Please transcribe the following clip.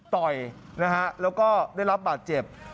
ต่อยนะฮะแล้วก็ได้รับบาดเจ็บ